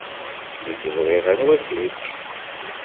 Nekk ẓriɣ anwa kečč.